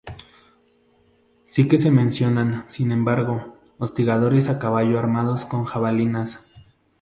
Sí que se mencionan, sin embargo, hostigadores a caballo armados con jabalinas.